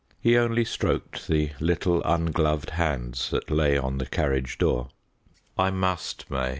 He only stroked the little ungloved hands that lay on the carriage door. "I must, May.